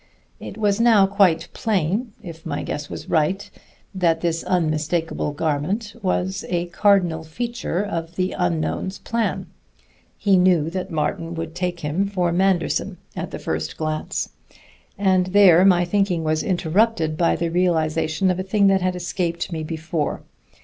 It was now quite plain (if my guess was right) that this unmistakable garment was a cardinal feature of the unknown's plan. He knew that Martin would take him for Manderson at the first glance. And there my thinking was interrupted by the realization of a thing that had escaped me before.